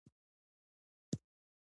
دوی سیالي نوره هم بې رحمانه کړې ده